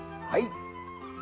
はい。